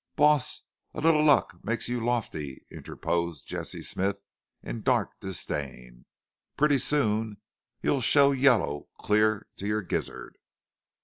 "Boss, a little luck makes you lofty," interposed Jesse Smith in dark disdain. "Pretty soon you'll show yellow clear to your gizzard!"